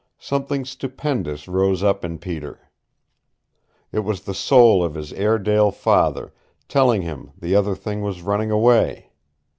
Something stupendous rose up in Peter. It was the soul of his Airedale father, telling him the other thing was running away!